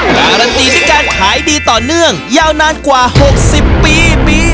การัตรีได้การขายดีต่อเนื่องยาวนานกว่าหกสิบปี